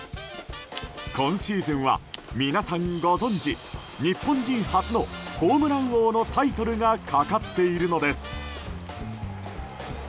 今シーズンは皆さんご存じ日本人初の、ホームラン王のタイトルがかかっているのです。